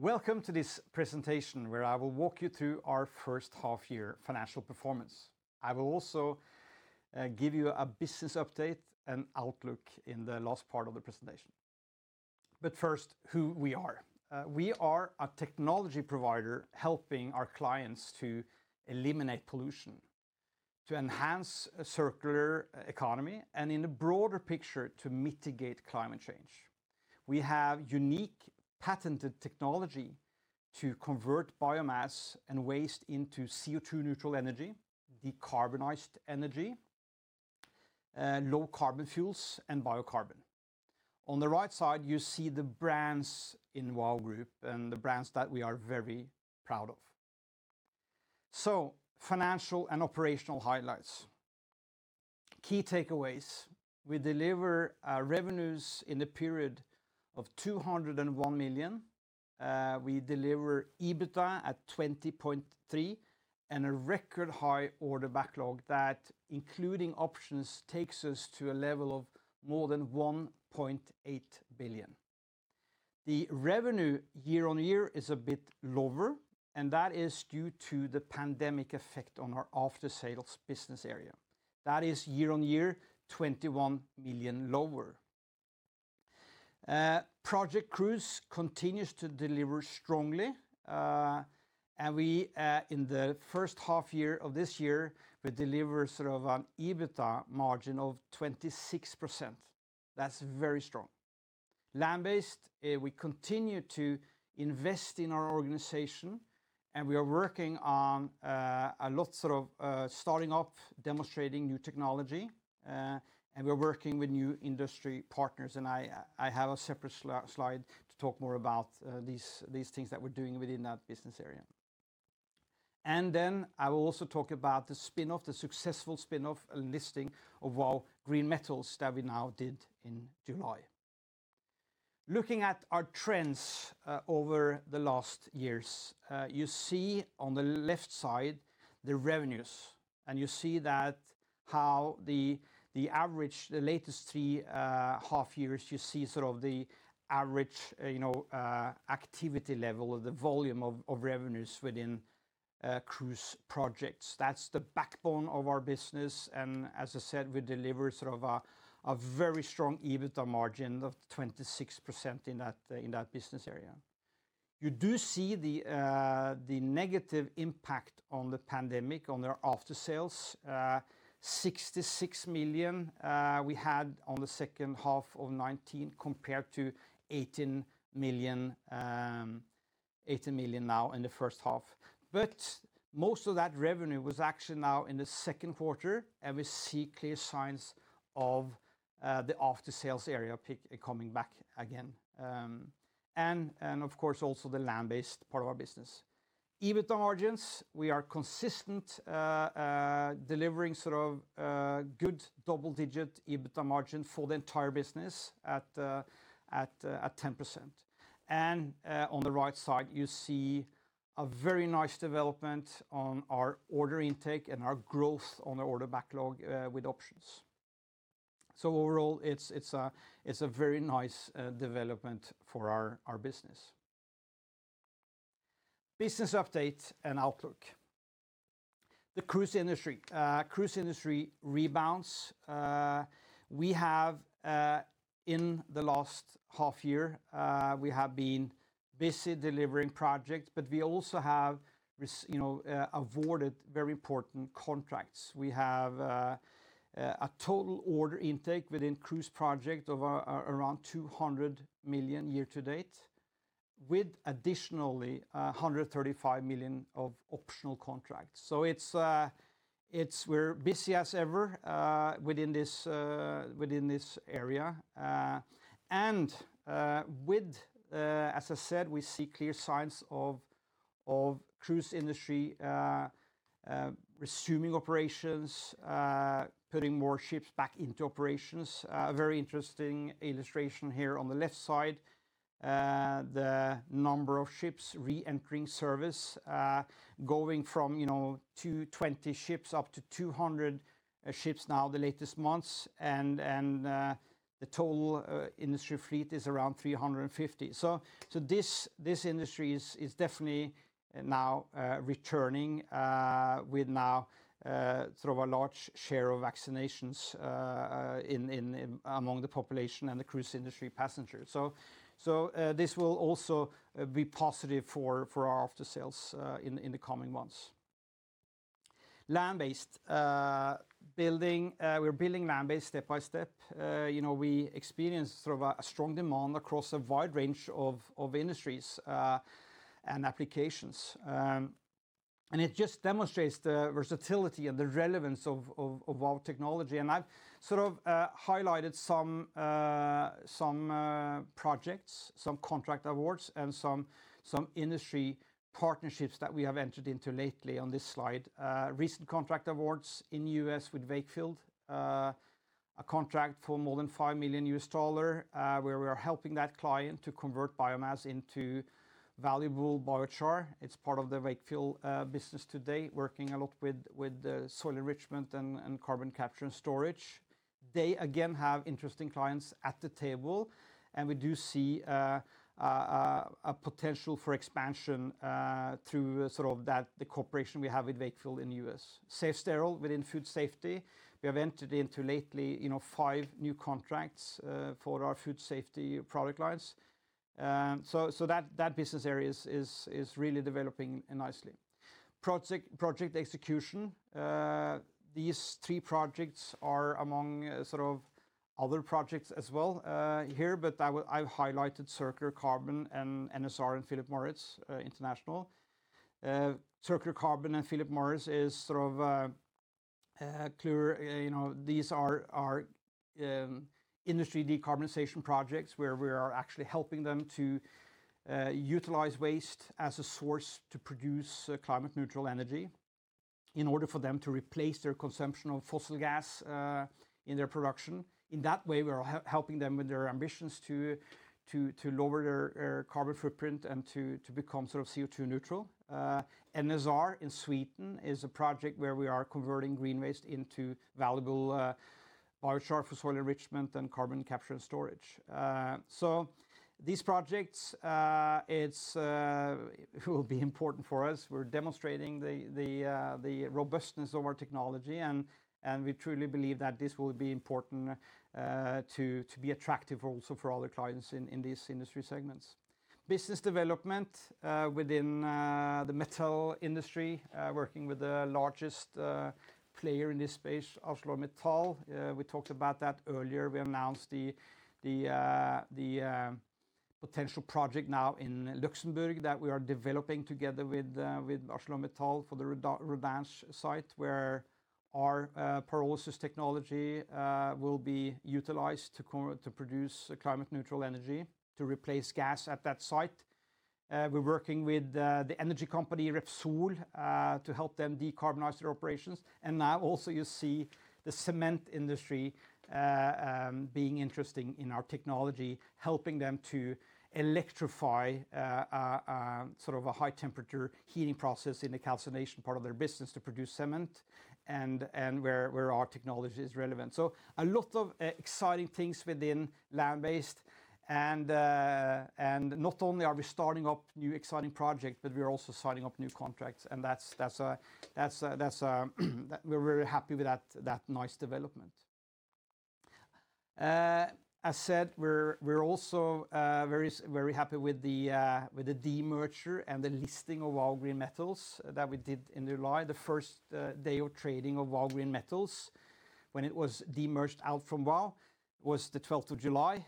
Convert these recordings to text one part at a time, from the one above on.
Welcome to this presentation, where I will walk you through our first half year financial performance. I will also give you a business update and outlook in the last part of the presentation. First, who we are. We are a technology provider helping our clients to eliminate pollution, to enhance a circular economy, and in the broader picture, to mitigate climate change. We have unique patented technology to convert biomass and waste into CO2 neutral energy, decarbonized energy, low carbon fuels, and biocarbon. On the right side, you see the brands in Vow Group and the brands that we are very proud of. Financial and operational highlights. Key takeaways. We deliver our revenues in the period of 201 million. We deliver EBITDA at 20.3 million and a record high order backlog that including options takes us to a level of more than 1.8 billion. The revenue year-on-year is a bit lower. That is due to the pandemic effect on our after-sales business area. That is year-on-year 21 million lower. Project Cruise continues to deliver strongly. We in the first half year of this year, we deliver an EBITDA margin of 26%. That's very strong. Land-based, we continue to invest in our organization. We are working on a lot, starting off demonstrating new technology. We're working with new industry partners. I have a separate slide to talk more about these things that we're doing within that business area. I will also talk about the successful spinoff and listing of Vow Green Metals that we now did in July. Looking at our trends over the last years. You see on the left side the revenues, and you see that how the average, the latest three half years, you see the average activity level of the volume of revenues within Cruise Projects. That's the backbone of our business, and as I said, we deliver a very strong EBITDA margin of 26% in that business area. You do see the negative impact on the pandemic on their after-sales. 66 million we had on the second half of 2019 compared to 18 million now in the first half. Most of that revenue was actually now in the second quarter, and we see clear signs of the after-sales area coming back again. Of course, also the land-based part of our business. EBITDA margins, we are consistent delivering good double-digit EBITDA margin for the entire business at 10%. On the right side, you see a very nice development on our order intake and our growth on the order backlog with options. Overall, it's a very nice development for our business. Business update and outlook. The cruise industry. Cruise industry rebounds. In the last half year, we have been busy delivering projects, but we also have awarded very important contracts. We have a total order intake within Project Cruise of around 200 million year to date, with additionally 135 million of optional contracts. We're busy as ever within this area. As I said, we see clear signs of cruise industry resuming operations, putting more ships back into operations. A very interesting illustration here on the left side, the number of ships re-entering service, going from 220 ships up to 200 ships now the latest months, and the total industry fleet is around 350. This industry is definitely now returning with now a large share of vaccinations among the population and the cruise industry passengers. This will also be positive for our after-sales in the coming months. Land-based. We're building land-based step by step. We experience a strong demand across a wide range of industries and applications. It just demonstrates the versatility and the relevance of our technology. I've highlighted some projects, some contract awards, and some industry partnerships that we have entered into lately on this slide. Recent contract awards in the U.S. with Wakefield, a contract for more than $5 million, where we are helping that client to convert biomass into valuable biochar. It's part of the Wakefield business today, working a lot with soil enrichment and carbon capture and storage. They again have interesting clients at the table. We do see a potential for expansion through the cooperation we have with Wakefield in the U.S. Safesteril within food safety, we have entered into lately 5 new contracts for our food safety product lines. That business area is really developing nicely. Project execution, these three projects are among other projects as well here. I've highlighted Circular Carbon, NSR, and Philip Morris International. Circular Carbon and Philip Morris, these are our industry decarbonization projects where we are actually helping them to utilize waste as a source to produce climate neutral energy in order for them to replace their consumption of fossil gas in their production. In that way, we are helping them with their ambitions to lower their carbon footprint and to become CO2 neutral. NSR in Sweden is a project where we are converting green waste into valuable biochar for soil enrichment and carbon capture and storage. These projects will be important for us. We're demonstrating the robustness of our technology, and we truly believe that this will be important to be attractive also for other clients in these industry segments. Business development within the metal industry, working with the largest player in this space, ArcelorMittal. We talked about that earlier. We announced the potential project now in Luxembourg that we are developing together with ArcelorMittal for the Rodange site, where our pyrolysis technology will be utilized to produce climate neutral energy to replace gas at that site. We're working with the energy company Repsol to help them decarbonize their operations. Now also you see the cement industry being interested in our technology, helping them to electrify a high temperature heating process in the calcination part of their business to produce cement, and where our technology is relevant. A lot of exciting things within land-based, and not only are we starting up new exciting projects, but we are also signing up new contracts, and we're very happy with that nice development. As said, we're also very happy with the demerger and the listing of Vow Green Metals that we did in July. The first day of trading of Vow Green Metals when it was demerged out from Vow was the 12th of July.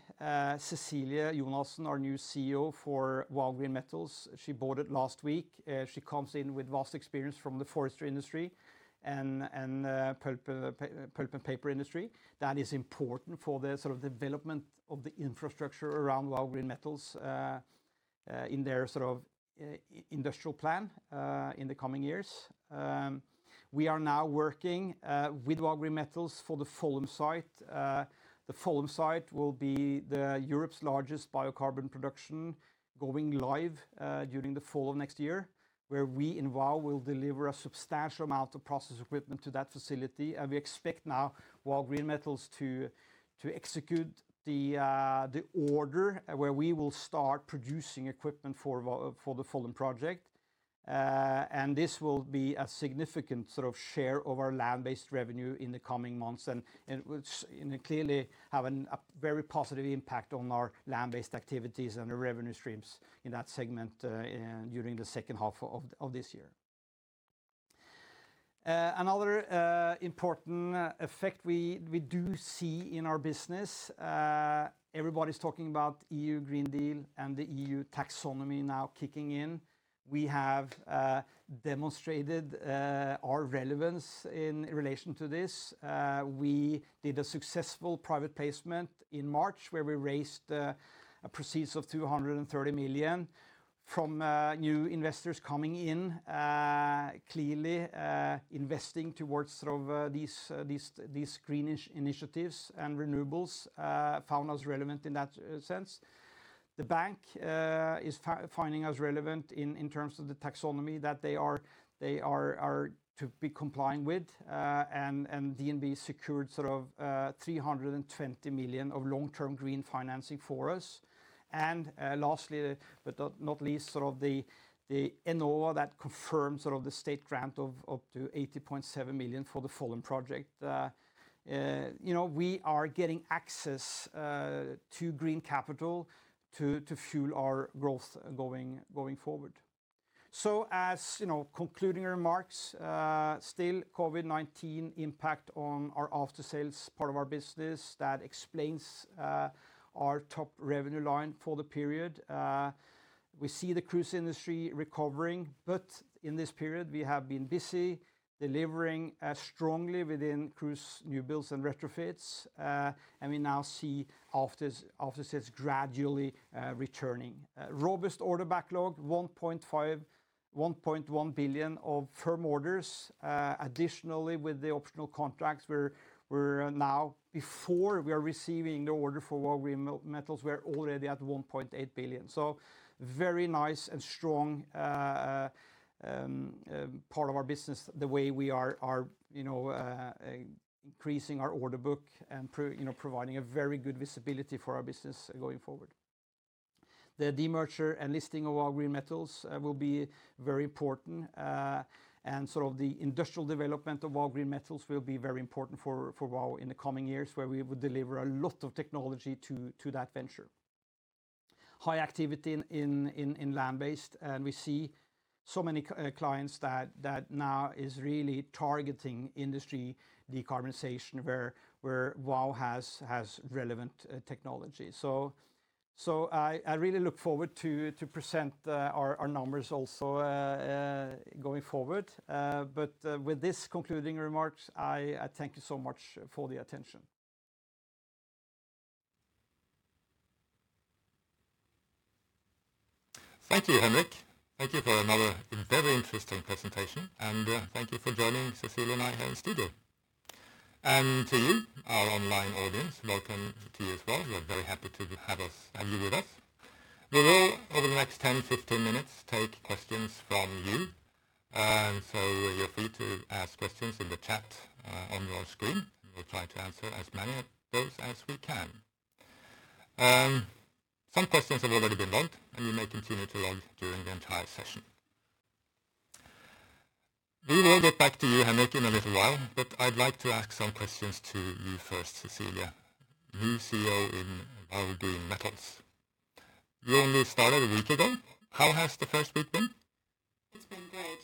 Cecilie, our new CEO for Vow Green Metals, she boarded last week. She comes in with vast experience from the forestry industry and pulp and paper industry. That is important for the development of the infrastructure around Vow Green Metals in their industrial plan in the coming years. We are now working with Vow Green Metals for the Follum site. The Follum site will be Europe's largest biocarbon production going live during the fall of next year, where we in Vow will deliver a substantial amount of process equipment to that facility. We expect now Vow Green Metals to execute the order where we will start producing equipment for the Follum project. This will be a significant share of our land-based revenue in the coming months, and it will clearly have a very positive impact on our land-based activities and the revenue streams in that segment during the second half of this year. Another important effect we do see in our business, everybody's talking about EU Green Deal and the EU taxonomy now kicking in. We have demonstrated our relevance in relation to this. We did a successful private placement in March where we raised proceeds of 230 million from new investors coming in, clearly investing towards these greenish initiatives and renewables, found us relevant in that sense. The bank is finding us relevant in terms of the taxonomy that they are to be complying with, DNB secured 320 million of long-term green financing for us. Lastly, but not least, the Enova that confirmed the state grant of up to 80.7 million for the Follum project. We are getting access to green capital to fuel our growth going forward. As concluding remarks, still COVID-19 impact on our aftersales part of our business, that explains our top revenue line for the period. We see the cruise industry recovering, but in this period, we have been busy delivering strongly within cruise new builds and retrofits, and we now see aftersales gradually returning. Robust order backlog, 1.1 billion of firm orders. Additionally, with the optional contracts, before we are receiving the order for Vow Green Metals, we are already at 1.8 billion. Very nice and strong part of our business, the way we are increasing our order book and providing a very good visibility for our business going forward. The demerger and listing of Vow Green Metals will be very important, and the industrial development of Vow Green Metals will be very important for Vow in the coming years, where we will deliver a lot of technology to that venture. High activity in land-based. We see so many clients that now are really targeting industry decarbonization where Vow has relevant technology. I really look forward to presenting our numbers also going forward. With these concluding remarks, I thank you so much for the attention. Thank you, Henrik. Thank you for another very interesting presentation, and thank you for joining Cecilie and me here in the studio. To you, our online audience, welcome to you as well. We are very happy to have you with us. We will, over the next 10, 15 minutes, take questions from you, so you're free to ask questions in the chat on your screen. We'll try to answer as many of those as we can. Some questions have already been logged, and you may continue to log during the entire session. We will get back to you, Henrik, in a little while, but I'd like to ask some questions to you first, Cecilie, new CEO in Vow Green Metals. You only started one week ago. How has the first week been? It's been great.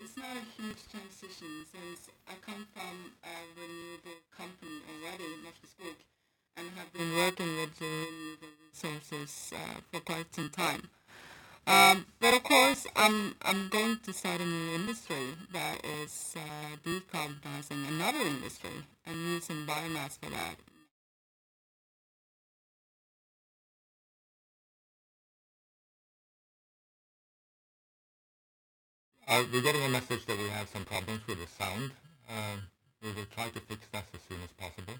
It's not a huge transition since I come from a renewable company already, Norske Skog, and have been working with renewable resources for quite some time. Of course, I'm going to start a new industry that is decarbonizing another industry and using biomass for that. We're getting a message that we have some problems with the sound. We will try to fix that as soon as possible.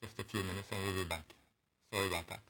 Just a few minutes. Just a few minutes and we'll be back. Sorry about that.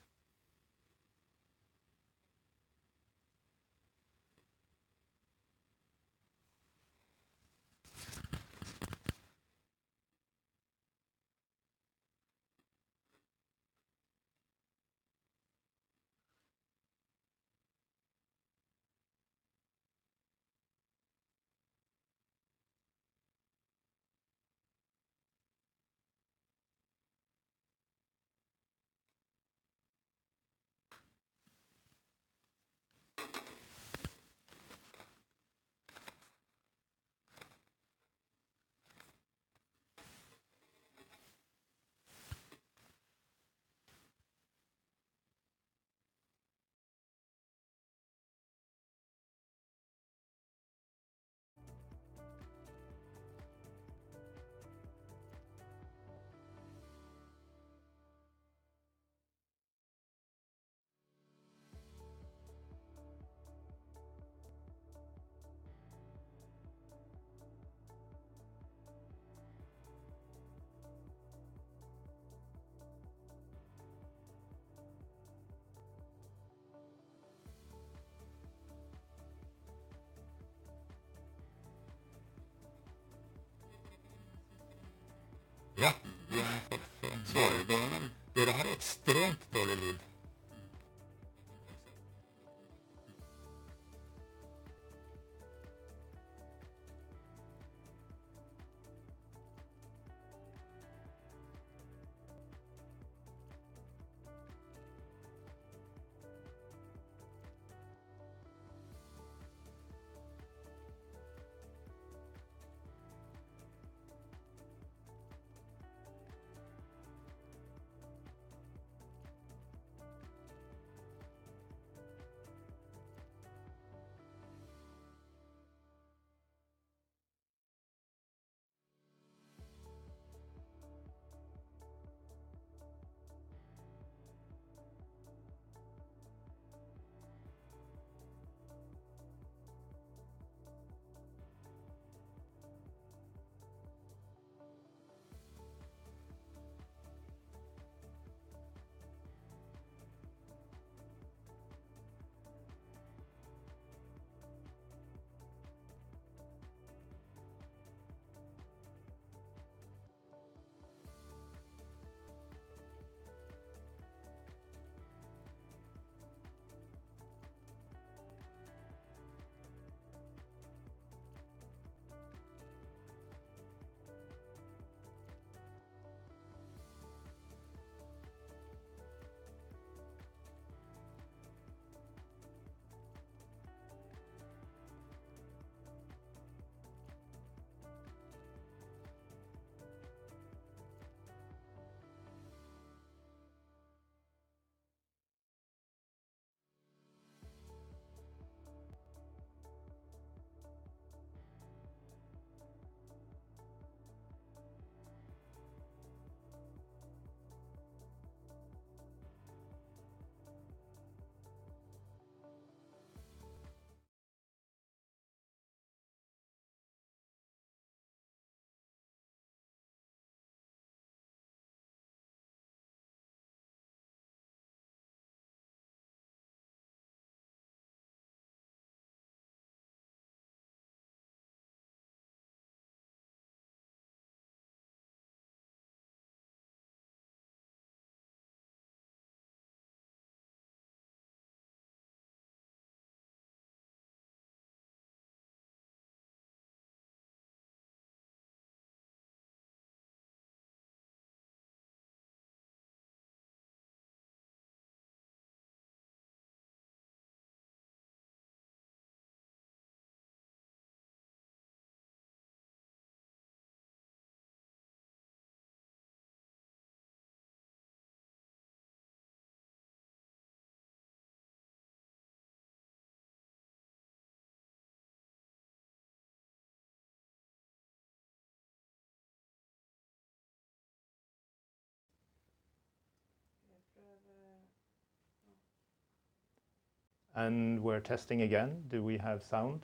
We're testing again. Do we have sound?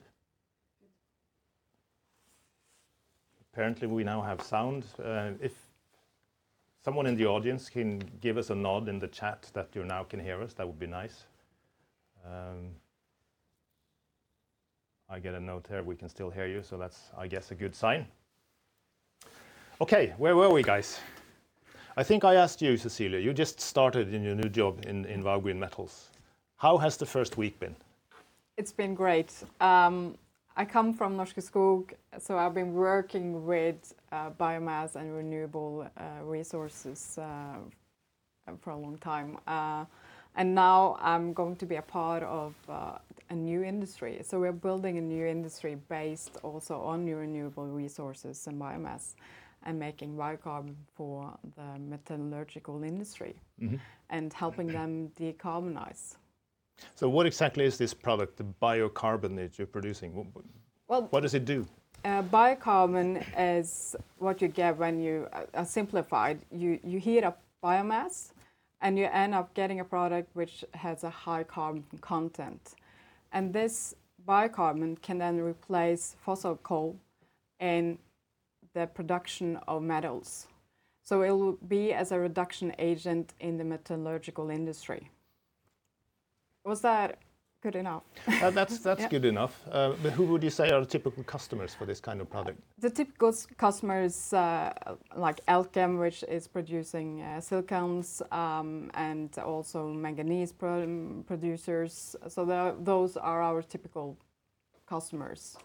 Apparently, we now have sound. If someone in the audience can give us a nod in the chat that you now can hear us, that would be nice. I get a note here we can still hear you, so that's, I guess, a good sign. Okay, where were we, guys? I think I asked you, Cecilie. You just started in your new job in Vow Green Metals. How has the first week been? It's been great. I come from Norske Skog, so I've been working with biomass and renewable resources for a long time. Now I'm going to be a part of a new industry. We're building a new industry based also on renewable resources and biomass and making biocarbon for the metallurgical industry and helping them decarbonize. What exactly is this product, the biocarbon that you're producing? Well- What does it do? Biocarbon is what you get when Simplified, you heat up biomass, and you end up getting a product that has a high carbon content. This biocarbon can then replace fossil coal in the production of metals. It will be as a reduction agent in the metallurgical industry. Was that good enough? That's good enough. Who would you say are the typical customers for this kind of product? The typical customers like Elkem, which is producing silicones, and also manganese producers. Those are our typical customers.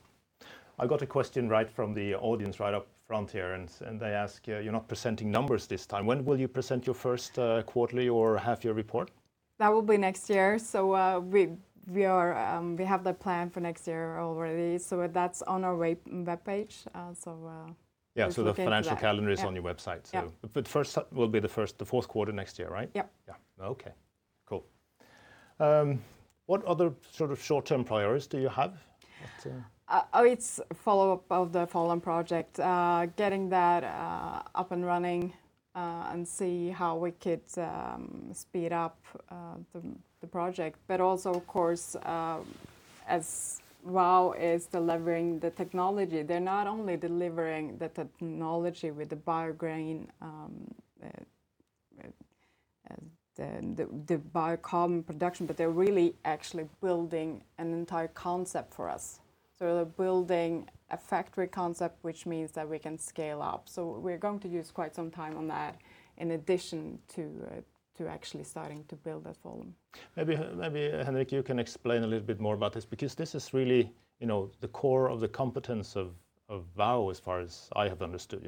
I got a question right from the audience right up front here. They ask, "You're not presenting numbers this time. When will you present your first quarterly or half-year report? That will be next year. We have the plan for next year already. That's on our webpage. Yeah. The financial calendar is on your website. Yeah. First will be the fourth quarter next year, right? Yep. Yeah. Okay, cool. What other sort of short-term priorities do you have? It's follow-up of the Follum project, getting that up and running, and see how we could speed up the project. Also, of course, as Vow is delivering the technology, they're not only delivering the technology with the biocarbon production, they're really actually building an entire concept for us. They're building a factory concept, which means that we can scale up. We're going to use quite some time on that in addition to actually starting to build at Follum. Maybe, Henrik, you can explain a little bit more about this because this is really the core of the competence of Vow as far as I have understood.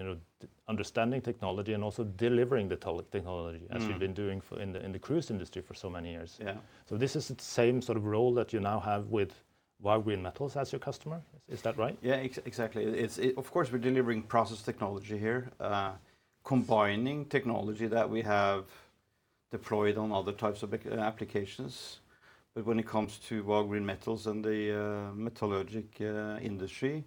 Understanding technology and also delivering the technology as we've been doing in the cruise industry for so many years. Yeah. This is the same sort of role that you now have with Vow Green Metals as your customer. Is that right? Yeah, exactly. Of course, we're delivering process technology here, combining technology that we have deployed on other types of applications. When it comes to Vow Green Metals and the metallurgic industry,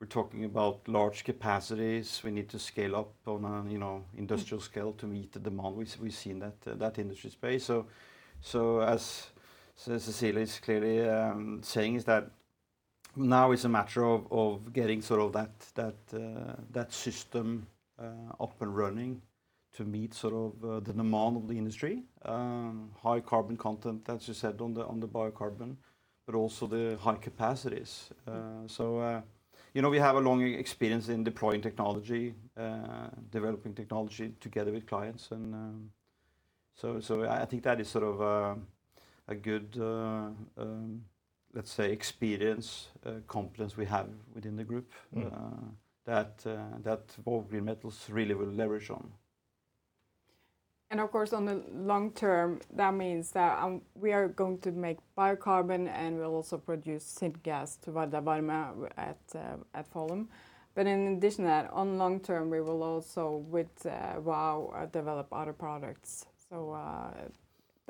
we're talking about large capacities. We need to scale up on an industrial scale to meet the demand we see in that industry space. As Cecilie is clearly saying, is that now it's a matter of getting that system up and running to meet the demand of the industry. High carbon content, as you said, on the biocarbon, but also the high capacities. We have a long experience in deploying technology, developing technology together with clients, I think that is a good, let's say, experience, competence we have within the group that Vow Green Metals really will leverage on. Of course, on the long term, that means that we are going to make biocarbon, and we'll also produce syngas to Vardar Varme at Follum. In addition to that, on long term, we will also, with Vow, develop other products.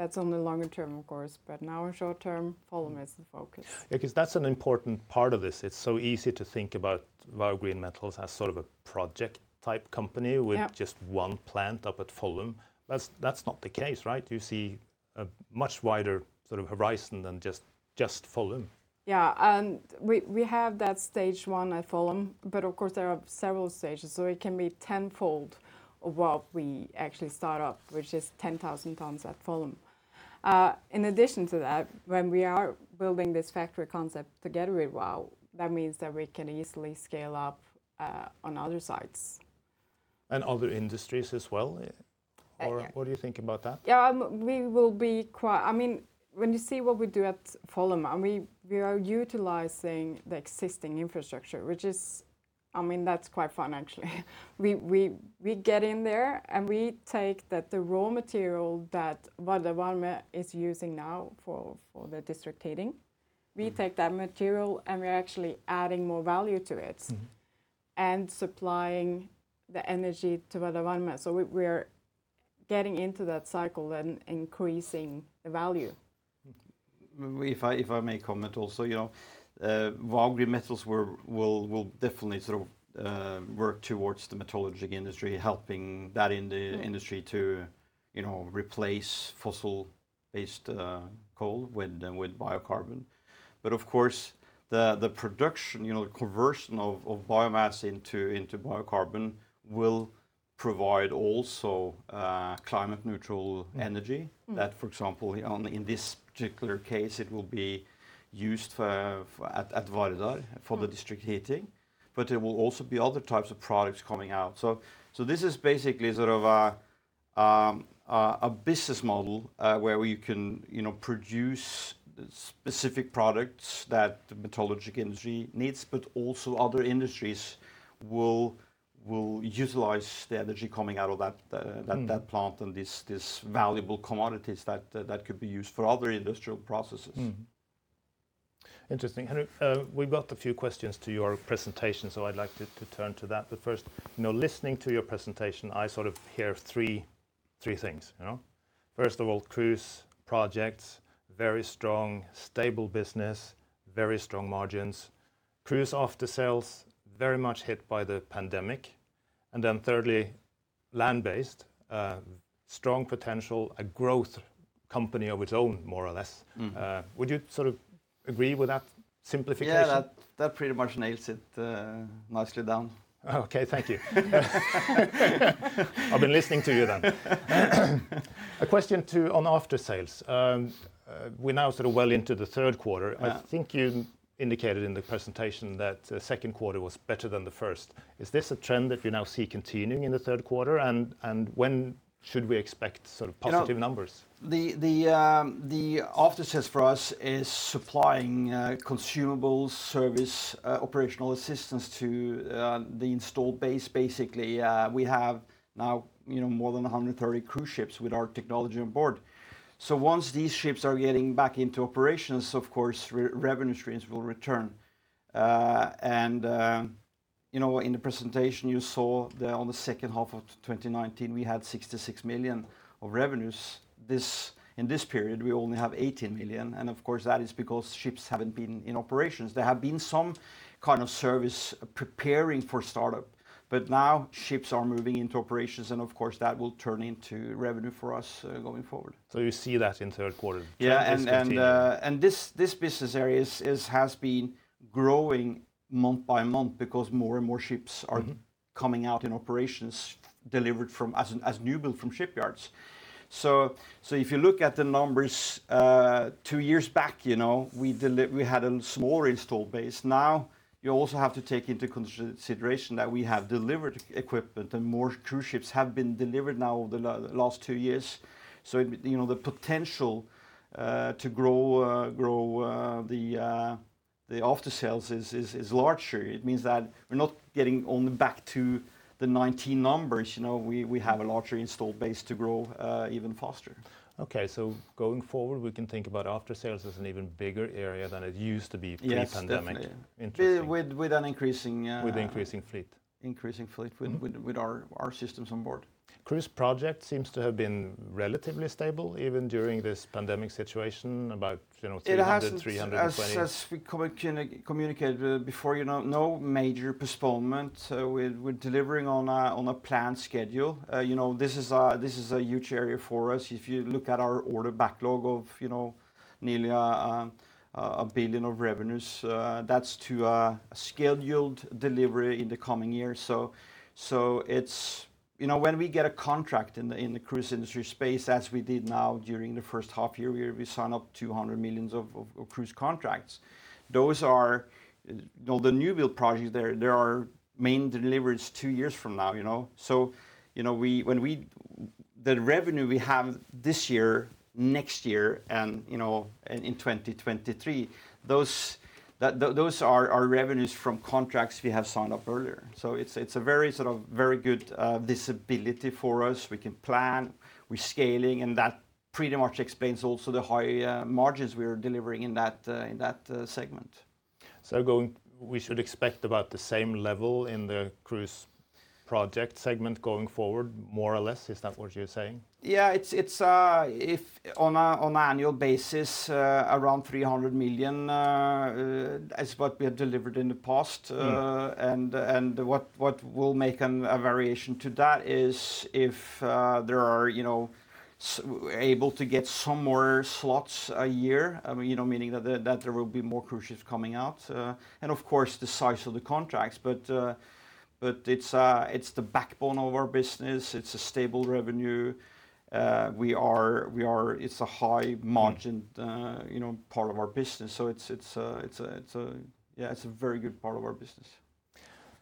That's on the longer term, of course, but now our short term, Follum is the focus. Yeah, that's an important part of this. It's so easy to think about Vow Green Metals as sort of a project-type company with just one plant up at Follum. That's not the case, right? You see a much wider sort of horizon than just Follum. Yeah. We have that stage 1 at Follum, but of course there are several stages, so it can be tenfold of what we actually start up, which is 10,000 tons at Follum. In addition to that, when we are building this factory concept together with Vow, that means that we can easily scale up on other sites. Other industries as well? Yeah. What do you think about that? When you see what we do at Follum, we are utilizing the existing infrastructure, which is quite fun, actually. We get in there, and we take the raw material that Vardar Varme is using now for the district heating. We take that material, and we are actually adding more value to it and supplying the energy to Vardar Varme. We are getting into that cycle and increasing the value. If I may comment also, Vow Green Metals will definitely work towards the metallurgy industry, helping that industry to replace fossil-based coal with biocarbon. Of course, the production, the conversion of biomass into biocarbon will provide also climate neutral energy that, for example, in this particular case, it will be used at Vardar for the district heating, but there will also be other types of products coming out. This is basically a business model, where we can produce specific products that the metallurgy industry needs, but also other industries will utilize the energy coming out of that plant and these valuable commodities that could be used for other industrial processes. Interesting. Henrik, we've got a few questions to your presentation, so I'd like to turn to that. First, listening to your presentation, I hear three things. First of all, cruise projects, very strong, stable business, very strong margins, cruise after sales, very much hit by the pandemic, and then thirdly, land-based, strong potential, a growth company of its own, more or less. Would you agree with that simplification? Yeah, that pretty much nails it nicely down. Okay. Thank you. I've been listening to you then. A question too on after sales. We're now well into the third quarter. Yeah. I think you indicated in the presentation that second quarter was better than the first. Is this a trend that you now see continuing in the third quarter, and when should we expect positive numbers? The after-sales for us is supplying consumables, service, operational assistance to the installed base, basically. We have now more than 130 cruise ships with our technology on board. Once these ships are getting back into operations, of course, revenue streams will return. In the presentation you saw that on the second half of 2019, we had 66 million of revenues. In this period, we only have 18 million, and of course, that is because ships haven't been in operations. There have been some kind of service preparing for startup, but now ships are moving into operations, and of course, that will turn into revenue for us going forward. You see that in third quarter. Yeah just continuing. This business area has been growing month by month because more and more ships are coming out in operations delivered as new build from shipyards. If you look at the numbers two years back, we had a small install base. Now you also have to take into consideration that we have delivered equipment and more cruise ships have been delivered now over the last two years. The potential to grow the after sales is larger. It means that we're not getting only back to the 2019 numbers. We have a larger installed base to grow even faster. Okay. Going forward, we can think about after sales as an even bigger area than it used to be pre-pandemic. Yes, definitely. Interesting. With an increasing- With increasing fleet increasing fleet with our systems on board. Cruise projects seems to have been relatively stable, even during this pandemic situation. It hasn't. 300, NOK 320. As we communicated before, no major postponement. We're delivering on a planned schedule. This is a huge area for us. If you look at our order backlog of nearly 1 billion of revenues, that's to a scheduled delivery in the coming years. When we get a contract in the cruise industry space, as we did now during the first half year, we signed up 200 millions of cruise contracts. The new build projects, they are main deliveries two years from now. The revenue we have this year, next year, and in 2023, those are our revenues from contracts we have signed up earlier. It's a very good visibility for us. We can plan, we're scaling, and that pretty much explains also the high margins we are delivering in that segment. We should expect about the same level in the Cruise Project segment going forward, more or less. Is that what you're saying? Yeah. On an annual basis, around 300 million is what we have delivered in the past. What will make a variation to that is if we're able to get some more slots a year, meaning that there will be more cruise ships coming out, and of course, the size of the contracts. It's the backbone of our business. It's a stable revenue. It's a high margin part of our business, so it's a very good part of our business.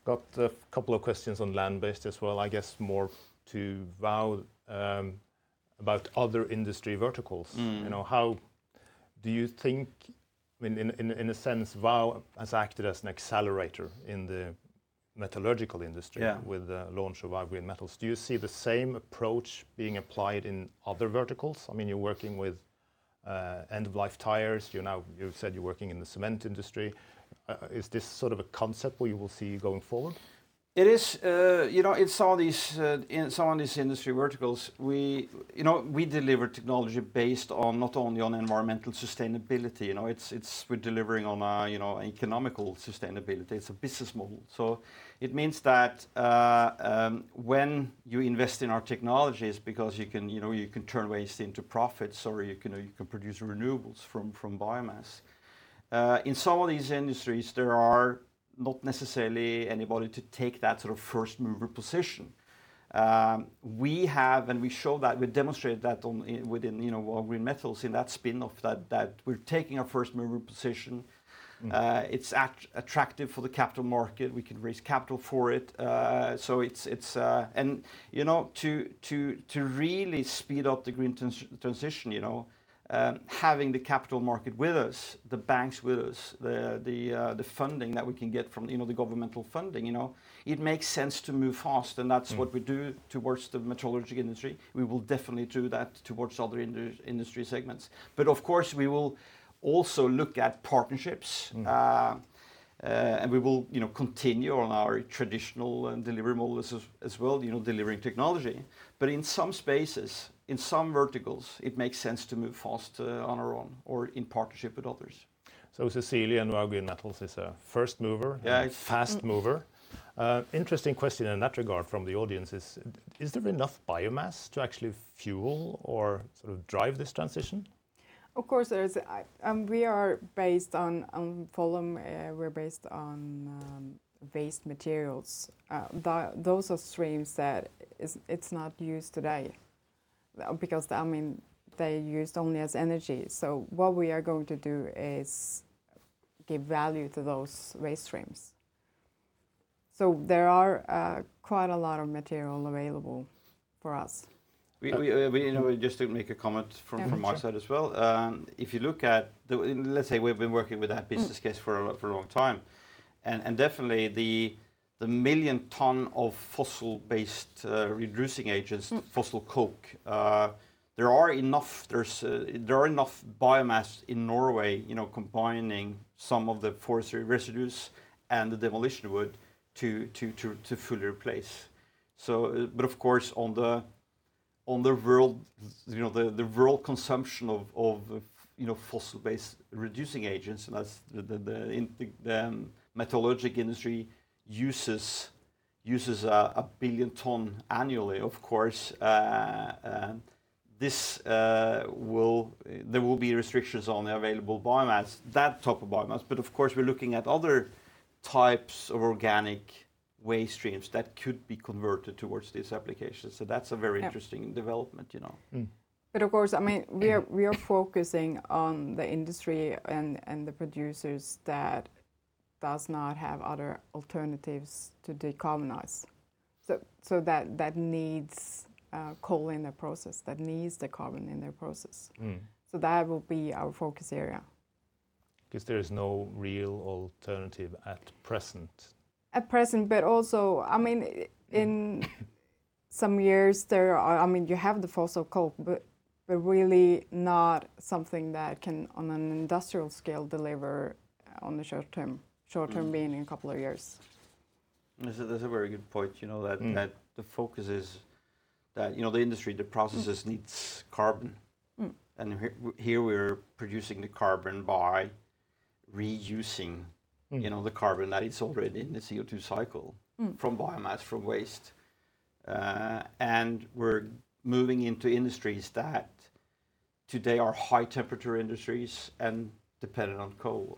Got a couple of questions on land-based as well, I guess more to Vow about other industry verticals. How do you think In a sense, Vow has acted as an accelerator in the metallurgical industry? Yeah with the launch of Vow Green Metals. Do you see the same approach being applied in other verticals? You're working with end-of-life tires. You've said you're working in the cement industry. Is this a concept where you will see going forward? It is. In some of these industry verticals, we deliver technology based not only on environmental sustainability. We're delivering on economical sustainability. It's a business model. It means that when you invest in our technologies, because you can turn waste into profits or you can produce renewables from biomass. In some of these industries, there are not necessarily anybody to take that first-mover position. We have, and we show that, we demonstrate that within Vow Green Metals in that spin-off, that we're taking a first-mover position. It's attractive for the capital market. We can raise capital for it. To really speed up the green transition, having the capital market with us, the banks with us, the funding that we can get from the governmental funding, it makes sense to move fast, and that's what we do towards the metallurgical industry. We will definitely do that towards other industry segments. Of course, we will also look at partnerships. We will continue on our traditional delivery model as well, delivering technology. In some spaces, in some verticals, it makes sense to move fast on our own or in partnership with others. Cecilie and Vow Green Metals is a first mover. Yeah A fast mover. Interesting question in that regard from the audience is there enough biomass to actually fuel or drive this transition? Of course there is. On volume, we're based on waste materials. Those are streams that it's not used today, because they're used only as energy. What we are going to do is give value to those waste streams. There are quite a lot of material available for us. Just to make a comment from my side as well. Yeah, for sure. Let's say we've been working with that business case for a long time. Definitely the 1 million tons of fossil-based reducing agents, fossil coke. There are enough biomass in Norway combining some of the forestry residues and the demolition wood to fully replace. Of course, on the world consumption of fossil-based reducing agents, and the metallurgical industry uses 1 billion tons annually, of course, there will be restrictions on the available biomass, that type of biomass. Of course, we're looking at other types of organic waste streams that could be converted towards this application. That's a very interesting development. Of course, we are focusing on the industry and the producers that does not have other alternatives to decarbonize, so that needs coal in their process, that needs the carbon in their process. That will be our focus area. There is no real alternative at present. At present, but also in some years, you have the fossil coke, but really not something that can, on an industrial scale, deliver on the short term. Short term being a couple of years. That's a very good point. The industry, the processes needs carbon. here we're producing the carbon by reusing the carbon that is already in the CO2 cycle. from biomass, from waste. We're moving into industries that today are high-temperature industries and dependent on coal,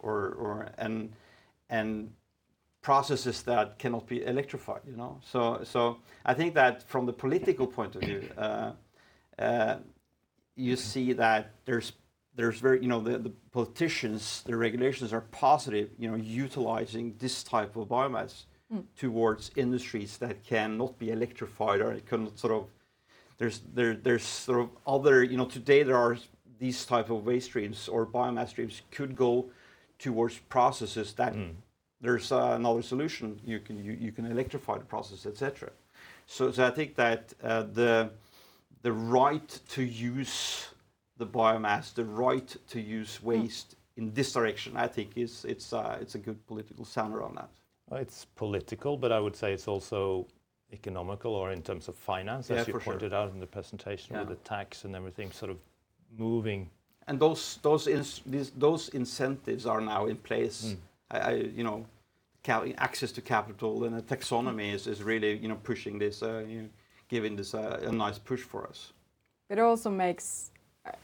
and processes that cannot be electrified. I think that from the political point of view, you see that the politicians, the regulations are positive, utilizing this type of biomass towards industries that cannot be electrified. Today, these type of waste streams or biomass streams could go towards processes that. There's another solution. You can electrify the process, et cetera. I think that the right to use the biomass, the right to use waste in this direction, I think it's a good political sound around that. It's political, but I would say it's also economical or in terms of finance. Yeah, for sure. As you pointed out in the presentation. Yeah with the tax and everything moving. Those incentives are now in place. Access to capital and the taxonomy is really pushing this, giving this a nice push for us.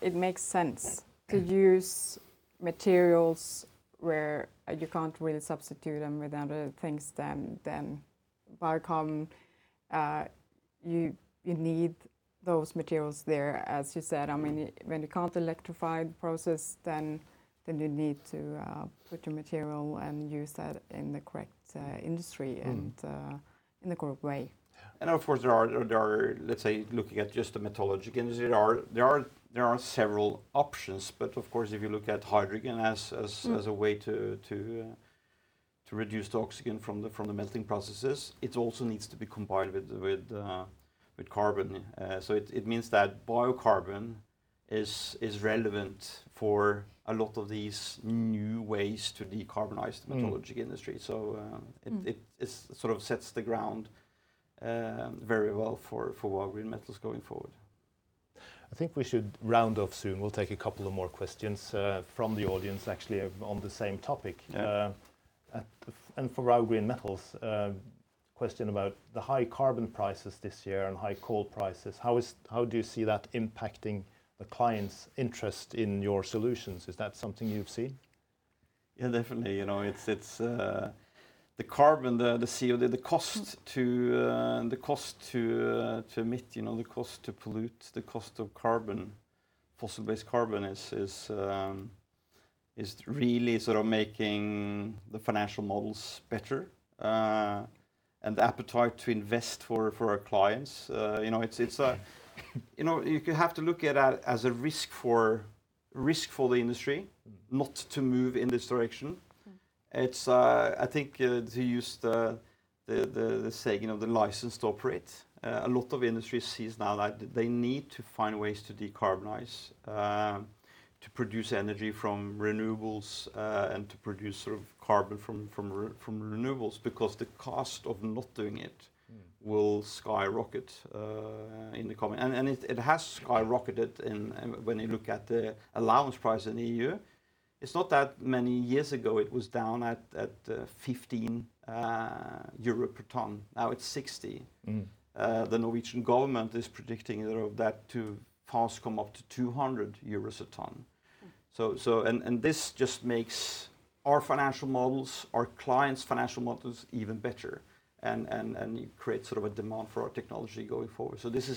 It makes sense to use materials where you can't really substitute them with other things than biocarbon, you need those materials there, as you said. When you can't electrify the process, then you need to put your material and use that in the correct industry and in the correct way. Of course, there are, let's say, looking at just the metallurgy industry, there are several options. Of course, if you look at hydrogen as a way to reduce the oxygen from the melting processes, it also needs to be combined with carbon. It means that biocarbon is relevant for a lot of these new ways to decarbonize the metallurgy industry. It sort of sets the ground very well for Vow Green Metals going forward. I think we should round off soon. We'll take a couple of more questions from the audience, actually, on the same topic. Yeah. For Vow Green Metals, question about the high carbon prices this year and high coal prices? How do you see that impacting the clients' interest in your solutions? Is that something you've seen? Yeah, definitely. It's the carbon, the CO2, the cost to emit, the cost to pollute, the cost of carbon, fossil-based carbon, is really sort of making the financial models better, and the appetite to invest for our clients. You have to look at it as a risk for the industry not to move in this direction. It's, I think, to use the saying of the license to operate. A lot of industries see now that they need to find ways to decarbonize, to produce energy from renewables, and to produce carbon from renewables, because the cost of not doing it will skyrocket. It has skyrocketed when you look at the allowance price in the EU. It's not that many years ago, it was down at 15 euro per ton. Now it's 60. The Norwegian government is predicting that to pass, come up to 200 euros a ton. This just makes our financial models, our clients' financial models, even better, and it creates a demand for our technology going forward. This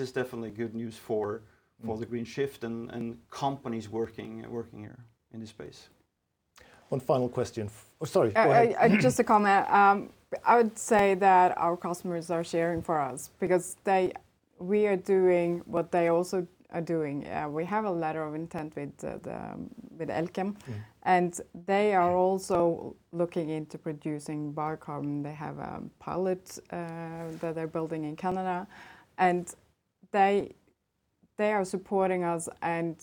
is definitely good news for the green shift and companies working here in this space. One final question. Oh, sorry. Go ahead. Just a comment. I would say that our customers are cheering for us because we are doing what they also are doing. We have a letter of intent with Elkem, they are also looking into producing biocarbon. They have a pilot that they're building in Canada, they are supporting us and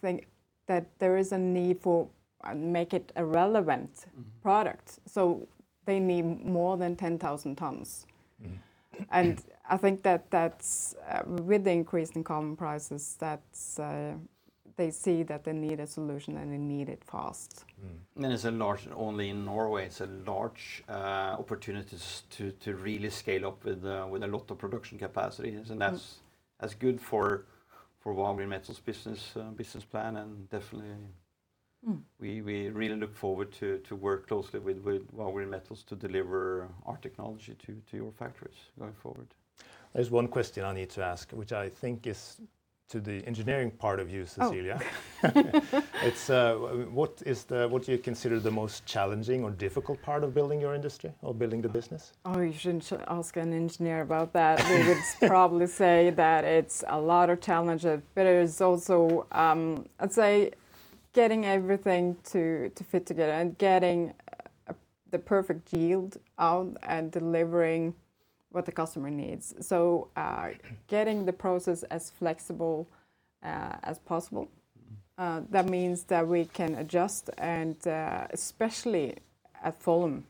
think that there is a need for make it a relevant product. They need more than 10,000 tons. I think that with the increase in carbon prices, that they see that they need a solution, and they need it fast. Only in Norway, it's a large opportunity to really scale up with a lot of production capacity. That's as good for Vow Green Metals' business plan, and definitely we really look forward to work closely with Vow Green Metals to deliver our technology to your factories going forward. There's one question I need to ask, which I think is to the engineering part of you, Cecilie. Oh. What do you consider the most challenging or difficult part of building your industry or building the business? Oh, you shouldn't ask an engineer about that. We would probably say that it's a lot of challenges, but it is also, I'd say getting everything to fit together and getting the perfect yield out and delivering what the customer needs. Getting the process as flexible as possible. That means that we can adjust and, especially at volume,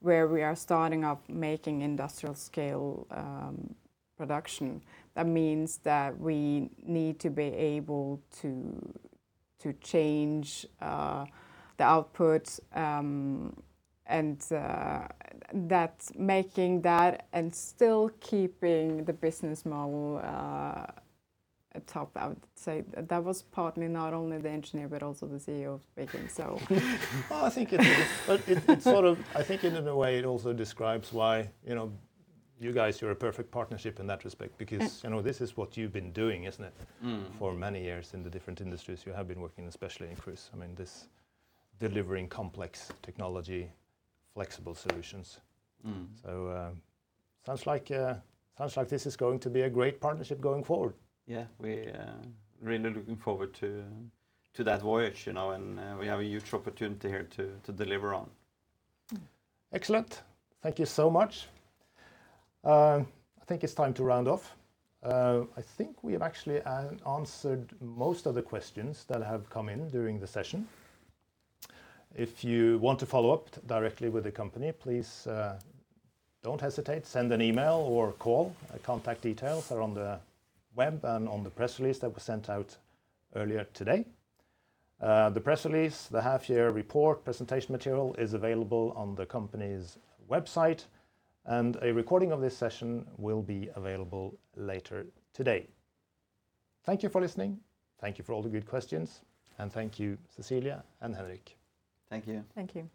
where we are starting up making industrial scale production. That means that we need to be able to change the output, and making that and still keeping the business model atop, I would say. That was partly not only the engineer, but also the CEO speaking, so. Well, I think it is. I think in a way it also describes why you guys are a perfect partnership in that respect, because this is what you've been doing, isn't it? For many years in the different industries you have been working, especially in cruise. I mean, this delivering complex technology, flexible solutions. Sounds like this is going to be a great partnership going forward. Yeah. We are really looking forward to that voyage, and we have a huge opportunity here to deliver on. Excellent. Thank you so much. I think it's time to round off. I think we have actually answered most of the questions that have come in during the session. If you want to follow up directly with the company, please don't hesitate. Send an email or call. Contact details are on the web and on the press release that was sent out earlier today. The press release, the half year report, presentation material is available on the company's website, and a recording of this session will be available later today. Thank you for listening. Thank you for all the good questions, and thank you, Cecilie and Henrik. Thank you. Thank you.